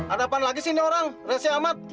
ada apaan lagi sih ini orang resi amat